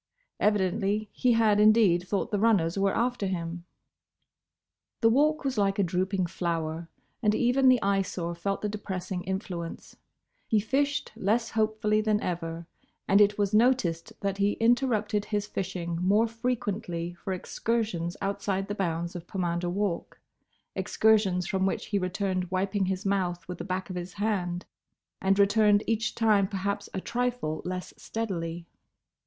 Evidently he had indeed thought the runners were after him. The Walk was like a drooping flower, and even the Eyesore felt the depressing influence; he fished less hopefully than ever, and it was noticed that he interrupted his fishing more frequently for excursions outside the bounds of Pomander Walk: excursions from which he returned wiping his mouth with the back of his hand, and returned each time perhaps a trifle less steadily.